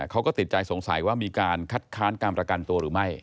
เขาก็ติดใจสงสัยว่ามีการคัดค้านการประกันตัวหรือไม่